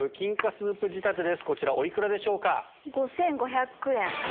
こちらお幾らでしょうか？